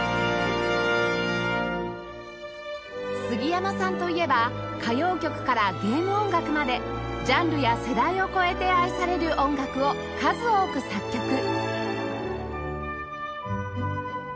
すぎやまさんといえば歌謡曲からゲーム音楽までジャンルや世代を超えて愛される音楽を数多く作曲